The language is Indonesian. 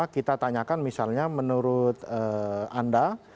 kita tanyakan misalnya menurut anda